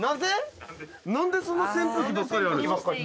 「なんでそんな扇風機ばっかりある？」